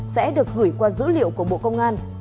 sẽ được gửi qua dữ liệu của bộ công an